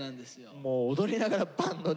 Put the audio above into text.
もう踊りながらバンドね。